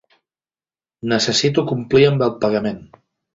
Necessito complir amb el pagament.